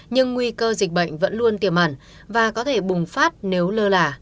nhưng nguy cơ dịch bệnh vẫn luôn tiềm mẳn và có thể bùng phát nếu lơ lả